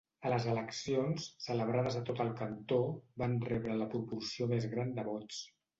A les eleccions, celebrades a tot el cantó, van rebre la proporció més gran de vots.